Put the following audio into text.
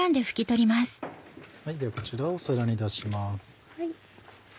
ではこちらを皿に出します。